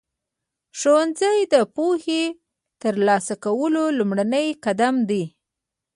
ښوونځی د پوهې ترلاسه کولو لومړنی قدم دی.